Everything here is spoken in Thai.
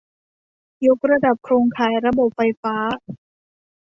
ยกระดับโครงข่ายระบบไฟฟ้า